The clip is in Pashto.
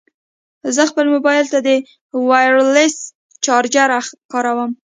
زه خپل مبایل ته د وایرلیس چارجر کاروم.